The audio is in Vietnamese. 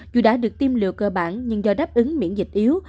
dù đã được tiêm liều cơ bản nhưng do đáp ứng miễn dịch yếu